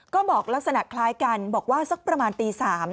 ก็บอกลักษณะคล้ายกันบอกว่าสักประมาณตี๓